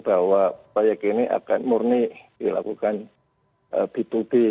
bahwa proyek ini akan murni dilakukan b dua b